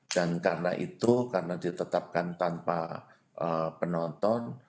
dan karena itu karena ditetapkan tanpa penonton